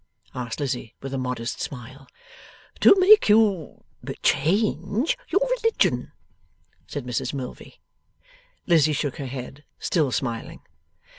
asked Lizzie, with a modest smile. 'To make you change your religion,' said Mrs Milvey. Lizzie shook her head, still smiling.